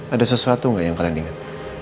ada sesuatu nggak yang kalian ingat